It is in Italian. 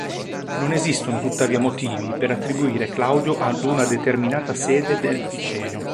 Non esistono tuttavia motivi per attribuire Claudio ad una determinata sede del Piceno.